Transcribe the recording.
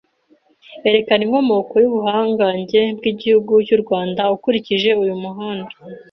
Erekana inkomoko y’ubuhangange bw’Igihugu cy’u Rwanda ukurikije uyu muhan